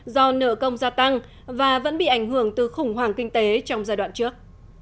do nợ công gia tăng và vẫn bị ảnh hưởng từ khủng hoảng kinh tế trong giai đoạn trước